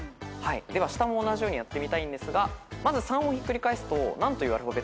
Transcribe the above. では下も同じようにやってみたいんですがまず３をひっくり返すと何というアルファベットになりますか？